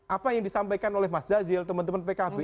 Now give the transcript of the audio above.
apa yang disampaikan oleh mas jazil teman teman pkb